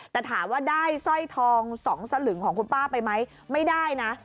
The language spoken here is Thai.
แต่ถามว่าได้สร้อยทอง๒สลึงของคุณป้าไปไหมไม่ได้นะ